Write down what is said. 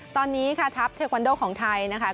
ตอนนี้ค่ะทัพเทควันโดของไทยนะคะ